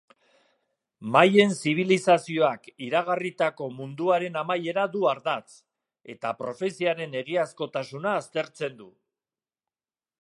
Maien zibilizazioak iragarritako munduaren amaiera du ardatz, eta profeziaren egiazkotasuna aztertzen du.